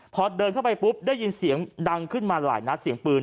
พอเดินเข้าไปปุ๊บได้ยินเสียงดังขึ้นมาหลายนัดเสียงปืน